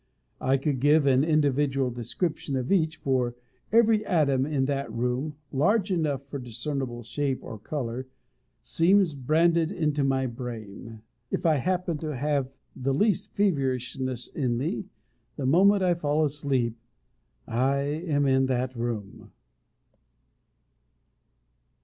I could give an individual description of each, for every atom in that room, large enough for discernable shape or colour, seems branded into my brain. If I happen to have the least feverishness on me, the moment I fall asleep, I am in that room.